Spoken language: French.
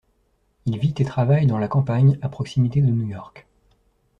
Il vit et travaille dans la campagne à proximité de New York.